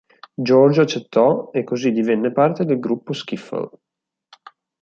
George accettò e così divenne parte del gruppo "skiffle".